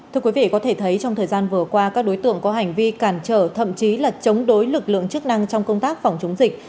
thưa quý vị có thể thấy trong thời gian vừa qua các đối tượng có hành vi cản trở thậm chí là chống đối lực lượng chức năng trong công tác phòng chống dịch